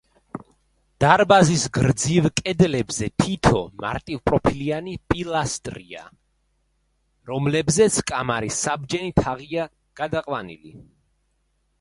დარბაზის გრძივ კედლებზე თითო მარტივპროფილიანი პილასტრია, რომლებზეც კამარის საბჯენი თაღია გადაყვანილი.